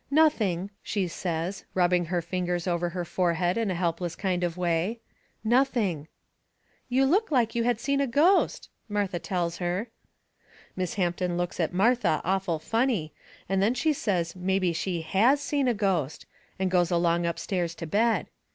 "Nothing," she says, rubbing her fingers over her forehead in a helpless kind of way, "nothing." "You look like you had seen a ghost," Martha tells her. Miss Hampton looks at Martha awful funny, and then she says mebby she HAS seen a ghost, and goes along upstairs to bed.